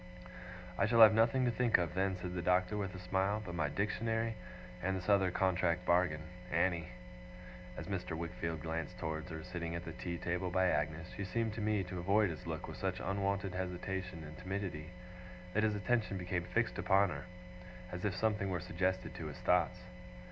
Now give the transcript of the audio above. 'I shall have nothing to think of then,' said the Doctor, with a smile, 'but my Dictionary; and this other contract bargain Annie.' As Mr. Wickfield glanced towards her, sitting at the tea table by Agnes, she seemed to me to avoid his look with such unwonted hesitation and timidity, that his attention became fixed upon her, as if something were suggested to his thoughts.